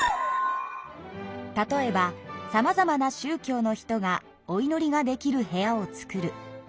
例えばさまざまなしゅう教の人がおいのりができる部屋をつくる。